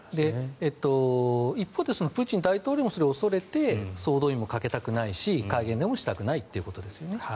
一方でプーチン大統領もそれを恐れて総動員もかけたくないし戒厳令もしたくないということですよね。